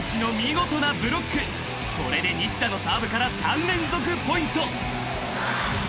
［これで西田のサーブから３連続ポイント］